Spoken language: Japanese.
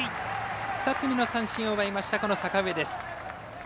２つ目の三振を奪いました阪上。